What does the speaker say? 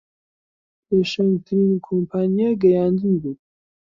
پێشەنگترین کۆمپانیای گەیاندن بوو